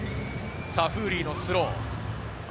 フーリーのスロー。